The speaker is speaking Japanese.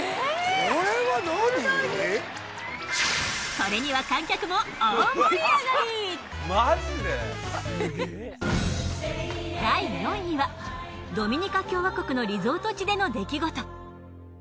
これには観客も第４位はドミニカ共和国のリゾート地での出来事。